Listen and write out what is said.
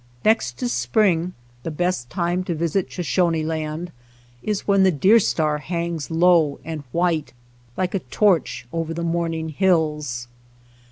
Next to spring, the best time to visit Shoshone Land is when the deer star hangs low and white like a torch over the morn ing hills.